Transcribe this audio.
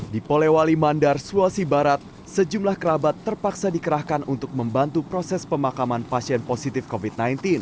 di polewali mandar sulawesi barat sejumlah kerabat terpaksa dikerahkan untuk membantu proses pemakaman pasien positif covid sembilan belas